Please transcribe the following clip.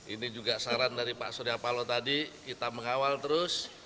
ini juga saran dari pak surya palo tadi kita mengawal terus